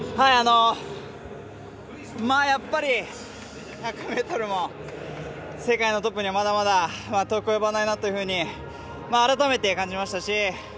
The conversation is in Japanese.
やっぱり１００ｍも世界のトップにはまだまだ遠く及ばないなというふうに改めて感じましたし。